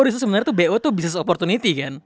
bisa sebenernya tuh bo tuh business opportunity kan